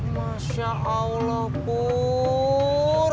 masya allah pur